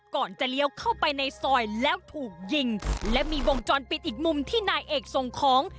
ก่อนจะเลี้ยวเข้าไปในซอยแล้วถูกยิงและมีวงจรปิดอีกมุมที่นายเอกส่งของ